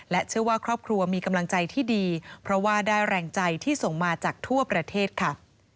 เชื่อว่าครอบครัวมีกำลังใจที่ดีเพราะว่าได้แรงใจที่ส่งมาจากทั่วประเทศค่ะ